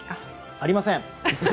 ありません。